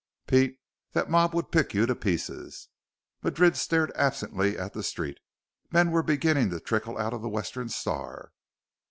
"Pete, that mob would pick you to pieces." Madrid stared absently at the street. Men were beginning to trickle out of the Western Star.